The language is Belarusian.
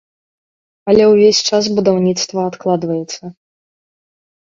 Але ўвесь час будаўніцтва адкладваецца.